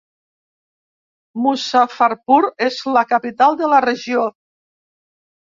Muzaffarpur és la capital de la regió.